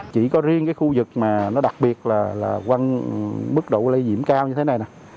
chỉ có riêng khu vực đặc biệt là mức độ lây nhiễm cao như thế này